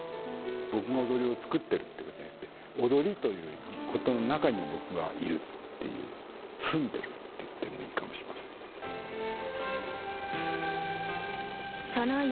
僕が踊りを作ってるってことじゃなくて踊りということの中に僕はいるっていう住んでるって言ってもいいかもしれません。